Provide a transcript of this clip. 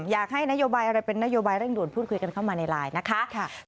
อยากให้นโยบายอะไรเป็นนโยบายเร่งด่วนพูดคุยกันเข้ามาในไลน์นะคะ